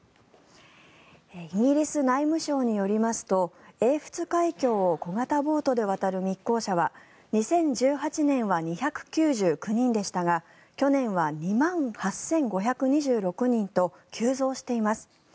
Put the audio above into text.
イギリス内務省によりますと英仏海峡を小型ボートで渡る密航者は２０１８年は２９９人でしたが去年は２万８５２６人と急増しています。